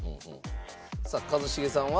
さあ一茂さんは？